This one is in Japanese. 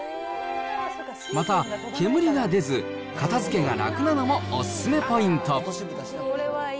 また、煙が出ず、片づけが楽なのも、お勧めポイント。